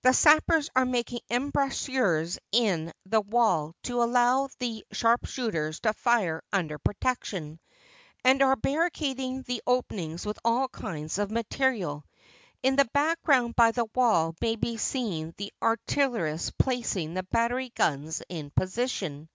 The sappers are making embrasures in the wall to allow the sharpshooters to fire under protection, and are barricading the openings with all kinds of material. In the background by the wall may be seen the artillerists placing the battery guns in position.